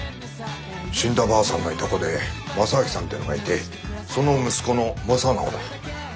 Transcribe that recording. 死んだばあさんのいとこで正明さんってのがいてその息子の正直だ。